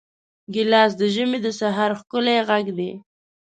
ګیلاس د ژمي د سحر ښکلی غږ دی.